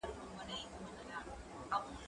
هغه څوک چي قلم کاروي پوهه زياتوي.